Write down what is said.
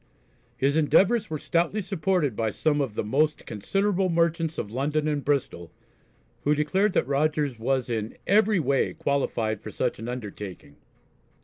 His endeavours were stoutly supported by some of the "most considerable merchants of London and Bristol," who declared that Rogers was in "every way qualified for such an undertaking."